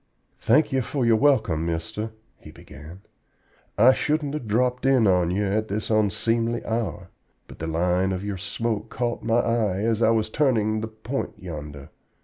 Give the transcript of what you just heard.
"Thank ye for your welcome, mister," he began. "I shouldn't have dropped in on ye at this onseemly hour, but the line of your smoke caught my eye as I was turning the point yonder.